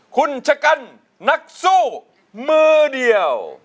คุณชะกันนักสู้มือเดียว